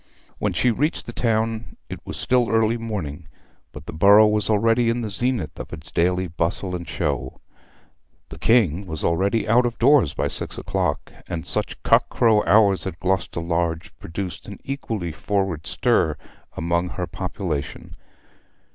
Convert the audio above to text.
When she reached the town it was still early morning, but the borough was already in the zenith of its daily bustle and show. The King was always out of doors by six o'clock, and such cock crow hours at Gloucester Lodge produced an equally forward stir among the population.